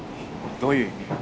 どういう意味？